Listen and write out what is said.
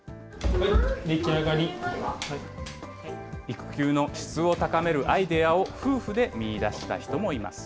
育休の質を高めるアイデアを夫婦で見いだした人もいます。